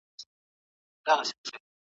شفافیت د ډیموکراسۍ اصلي برخه وه.